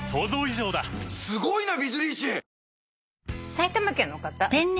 埼玉県の方。